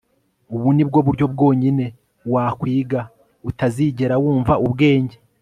ubu ni bwo buryo bwonyine wakwiga utazigera wumva ubwenge